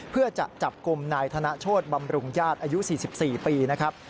เพื่อจะจับกลุ่มนายธนโชธบำรุงญาติอายุ๔๔ปีนะครับ